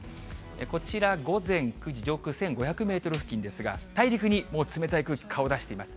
こちら午前９時、上空１５００メートル付近ですが、大陸にもう冷たい空気、顔出しています。